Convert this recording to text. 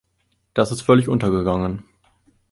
Das ist völlig untergegangen.